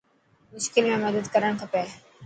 مشڪل ۾ مدد ڪرڻ کپي.